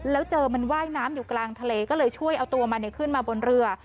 แล้วเจอมันว่ายน้ำอยู่กลางทะเลก็เลยช่วยเอาตัวมันขึ้นมาบนเรือ